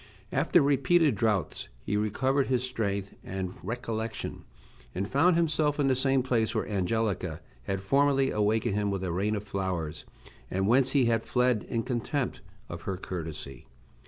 After repeated draughts he recovered his strength and recollection, and found himself in the same place where Angelica had formerly awakened him with a rain of flowers, and whence he had fled in contempt of her courtesy.